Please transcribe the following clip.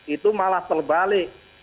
itu malah terbalik